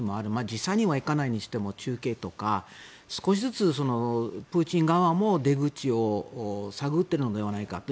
実際は行かないにしても中継とか少しずつプーチン側も出口を探っているのではないかと。